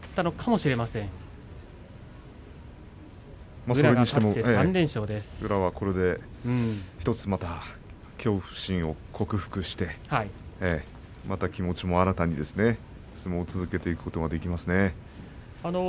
それにしても宇良はこれで恐怖心を克服してまた気持ちも新たに相撲を続けていくことができますね。